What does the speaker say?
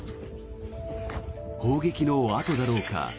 砲撃の跡だろうか